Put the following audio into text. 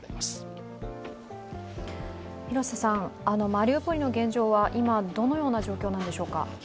マリウポリの現状は今、どのような状況なんでしょうか。